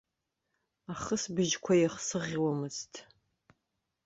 Ахысыбжьқәа еихсыӷьуамызт.